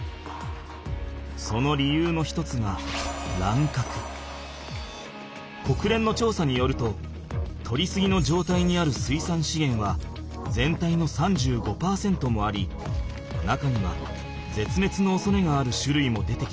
その理由の一つがこくれんのちょうさによるととりすぎの状態にある水産資源は全体の３５％もあり中にはぜつめつのおそれがあるしゅるいも出てきている。